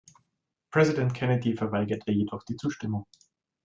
Präsident Kennedy verweigerte jedoch die Zustimmung.